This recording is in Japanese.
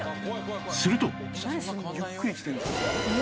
すると